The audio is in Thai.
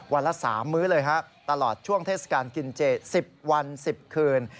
ละ๓มื้อเลยฮะตลอดช่วงเทศกาลกินเจ๑๐วัน๑๐คืน